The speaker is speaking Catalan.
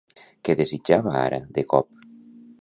Què desitjava ara, de cop?